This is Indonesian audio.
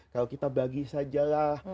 kalau kita bagi sajalah